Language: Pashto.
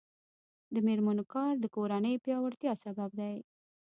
د میرمنو کار د کورنۍ پیاوړتیا سبب دی.